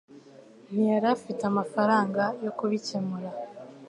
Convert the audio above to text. Ntiyari afite amafaranga yo ku bikemura